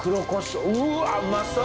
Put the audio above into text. うわうまそう！